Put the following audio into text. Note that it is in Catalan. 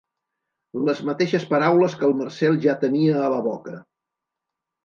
Les mateixes paraules que el Marcel ja tenia a la boca.